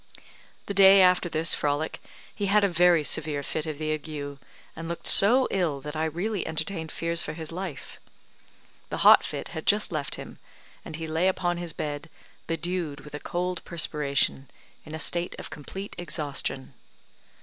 The day after this frolic, he had a very severe fit of the ague, and looked so ill that I really entertained fears for his life. The hot fit had just left him, and he lay upon his bed bedewed with a cold perspiration, in a state of complete exhaustion.